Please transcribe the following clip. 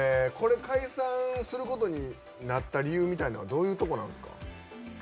解散することになった理由みたいなのはどういうところなんですか？